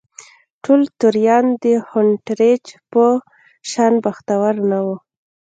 ټول توریان د هونټریج په شان بختور نه وو.